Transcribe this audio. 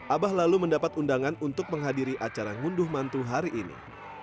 abah lalu mendapat undangan untuk menghadiri acara ngunduh mantu hari ini